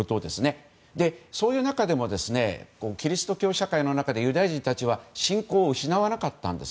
そういう中でもキリスト教社会の中でユダヤ人たちは信仰を失わなかったんです。